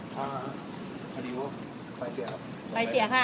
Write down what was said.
พร้อมหรือยังคะ